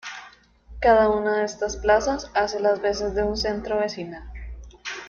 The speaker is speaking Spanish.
Cada una de estas plazas hace las veces de un centro vecinal.